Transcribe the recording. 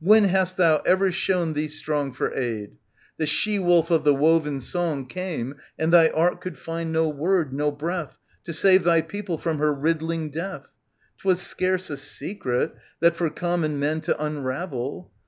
When hast thou ever shown thee strong For aid ? The She Wolf of the woven song Came, and thy art could find no word, no breath. To save thy people from her riddling death. 'Twas scarce a secret, that, for common men To unravel.